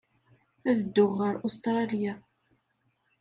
Ad dduɣ ɣer Ustṛalya.